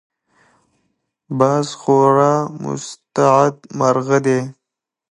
باز خورا مستعد مرغه دی